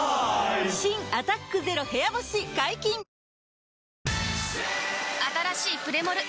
新「アタックＺＥＲＯ部屋干し」解禁‼あたらしいプレモル！